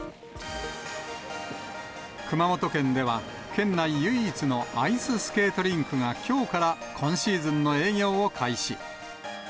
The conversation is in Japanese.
熊本県では、県内唯一のアイススケートリンクが、きょうから今シーズンの営業を開始。